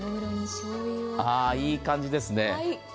いい感じですね。